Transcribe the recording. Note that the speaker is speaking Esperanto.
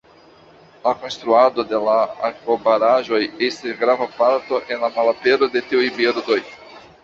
La konstruado de la akvobaraĵoj estis grava parto en la malapero de tiuj birdoj.